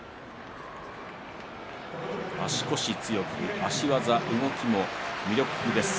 足腰強く足技、動きも魅力ですね